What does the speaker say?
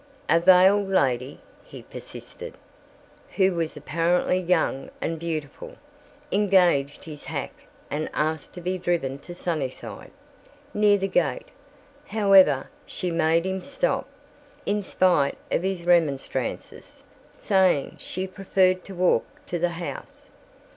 "A veiled lady," he persisted, "who was apparently young and beautiful, engaged his hack and asked to be driven to Sunnyside. Near the gate, however, she made him stop, in spite of his remonstrances, saying she preferred to walk to the house.